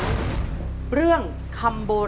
นั่นก็คือเรื่องอุทยานมังกรสวรรค์